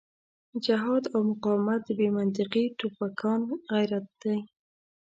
جهاد او مقاومت د بې منطقې ټوپکيان غرت دی.